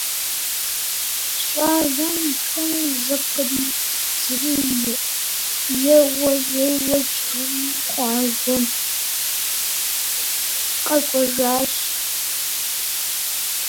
Щӏалэм шым зыкъридзри еуэеуэкӏэ къуажэм къэкӏуэжащ.